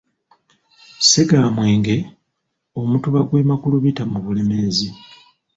Ssegaamwenge, Omutuba gw'e Makulubita mu Bulemeezi.